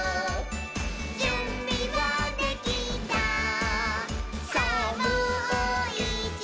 「じゅんびはできたさぁもういちど」